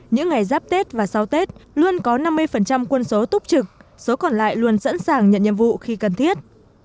những ngày giáp tết và sau tết luôn có năm mươi quân số túc trực số còn lại luôn sẵn sàng nhận nhiệm vụ khi cần thiết